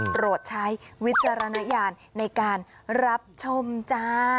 โปรดใช้วิจารณญาณในการรับชมจ้า